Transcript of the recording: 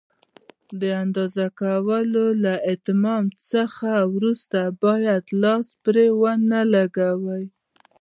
د اندازه کولو له اتمام څخه وروسته باید لاس پرې ونه لګوئ.